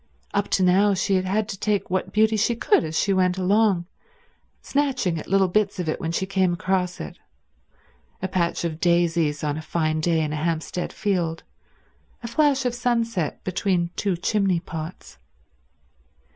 Up to now she had had to take what beauty she could as she went along, snatching at little bits of it when she came across it—a patch of daisies on a fine day in a Hampstead field, a flash of sunset between two chimney pots.